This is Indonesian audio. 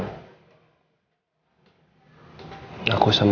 aku sama sekali gak ada niatan untuk menyakiti hati mama